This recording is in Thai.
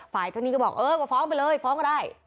เจ้าหนี้ก็บอกเออก็ฟ้องไปเลยฟ้องก็ได้